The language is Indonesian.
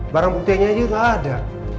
barang buktinya aja nggak ada